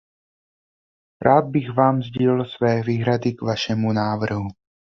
Rád bych vám sdělil své výhrady k vašemu návrhu.